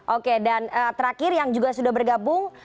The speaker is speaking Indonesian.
oke dan terakhir yang juga sudah bergabung